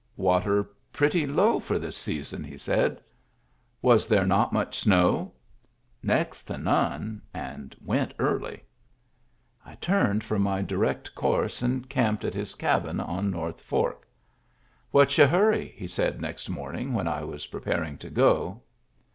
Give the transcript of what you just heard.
I "Water pretty low for this season," he said. "Was there not much snow?" " Next to none, and went early." I turned from my direct course and camped at his cabin on North Fork. " What's your hurry ?" he said next morning, when I was preparing to go.